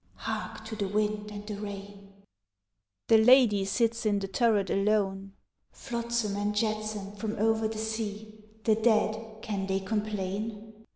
(Hark to the wind and the rain.) The ladye sits in the turret alone, (_Flotsam and jetsam from over the sea, The dead can they complain?